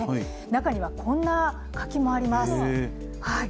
中にはこんな柿もあります。